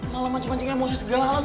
malah macem macem emosi segala hal lo